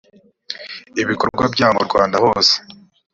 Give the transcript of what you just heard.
ibikorwa byawo mu rwanda hose